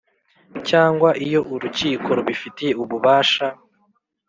cyangwa iyo Urukiko rubifitiye ububasha